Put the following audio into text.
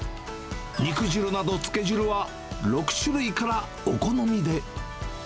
肉汁などつけ汁は６種類からお好みで。